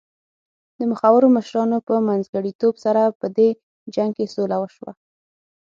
د مخورو مشرانو په منځګړیتوب سره په دې جنګ کې سوله وشوه.